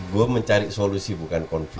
gue mencari solusi bukan konflik